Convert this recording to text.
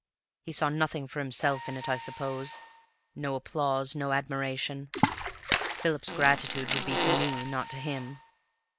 He saw nothing for himself in it, I suppose; no applause, no admiration. Philip's gratitude would be to me, not to him.